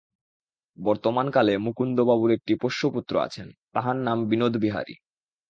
বর্তমান কালে মুকুন্দবাবুর একটি পোষ্যপুত্র আছেন, তাঁহার নাম বিনোদবিহারী।